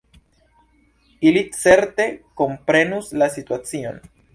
Ili certe komprenus la situacion.